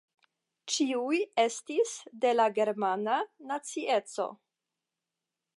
Ĉiuj estis de la germana nacieco.